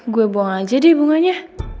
gue buang aja deh bunganya